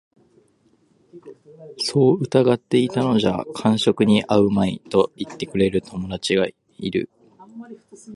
そう凝っていたのじゃ間職に合うまい、と云ってくれる友人がある